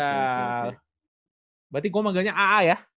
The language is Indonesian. berarti gue magangnya aa ya